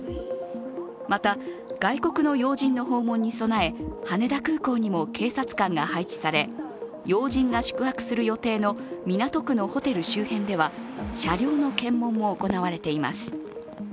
また、外国の要人の訪問に備え羽田空港にも警察官が配置され要人が宿泊する予定の港区のホテルの周辺では車両の検問も行われています。